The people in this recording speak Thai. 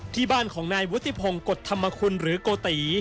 ที่บ้านของนายวุฒิพงศ์กฎธรรมคุณหรือโกติ